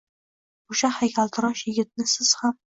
O’sha haykaltarosh yigitni siz ham